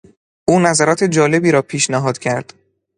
او نظرات جالبی را پیشنهاد کرد.